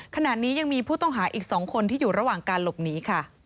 ขณะนี้ยังมีผู้ต้องหาอีก๒คนที่อยู่ระหว่างการหลบหนีค่ะ